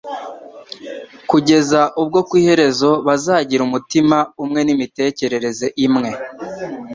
kugeza ubwo ku iherezo bazagira umutima umwe n' imitekerereze imwe,